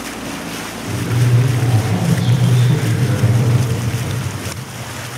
Des ateliers pour enfants y sont aussi régulièrement organisés.